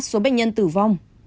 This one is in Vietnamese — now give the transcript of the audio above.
ba số bệnh nhân tử vong